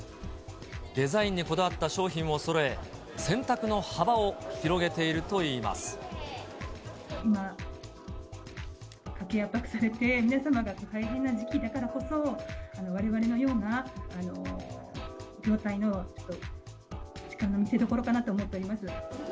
デザインにこだわった商品をそろえ、選択の幅を広げているといい今、家計圧迫されて、皆様が大変な時期だからこそ、われわれのような業態の力の見せどころかなと思っております。